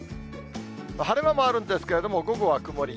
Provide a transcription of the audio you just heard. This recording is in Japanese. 晴れ間もあるんですけれども、午後は曇り。